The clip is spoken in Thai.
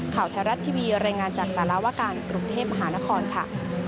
ข่าวไทยรัฐทีวีรายงานจากสารวการกรุงเทพมหานครค่ะ